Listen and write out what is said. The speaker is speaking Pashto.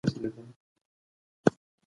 په سوله ییزه سیالۍ کې ګډون وکړئ.